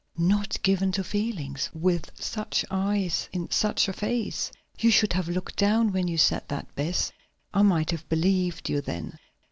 Not given to feelings! With such eyes in such a face! You should have looked down when you said that, Bess; I might have believed you then.